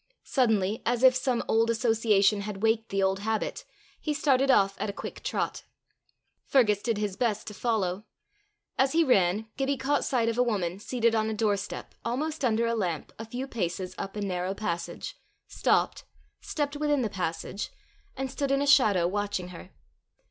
Suddenly, as if some old association had waked the old habit, he started off at a quick trot. Fergus did his best to follow. As he ran, Gibbie caught sight of a woman seated on a doorstep, almost under a lamp, a few paces up a narrow passage, stopped, stepped within the passage, and stood in a shadow watching her.